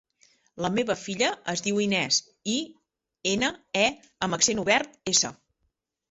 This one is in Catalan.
La meva filla es diu Inès: i, ena, e amb accent obert, essa.